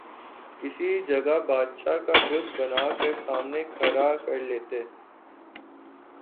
کسی جگہ بادشاہ کا بت بنا کر سامنے کھڑا کرلیتے